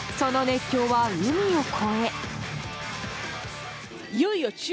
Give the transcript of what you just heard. その熱狂は海を越え。